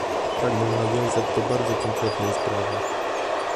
Pragnę nawiązać do bardzo konkretnej sprawy